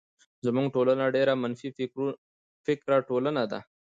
زمونږ ټولنه ډيره منفی فکره ټولنه ده.